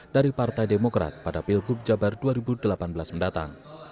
dari partai demokrat pada pilgub jabar dua ribu delapan belas mendatang